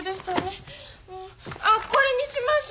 ああこれにします！